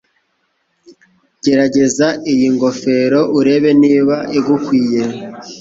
Gerageza iyi ngofero urebe niba igukwiye.